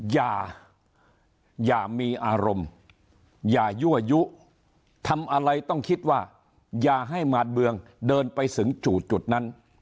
อย่าอย่ามีอารมณ์อย่ายั่วยุทำอะไรต้องคิดว่าอย่าให้หมาดเบืองเดินไปถึงจู่จุดนั้น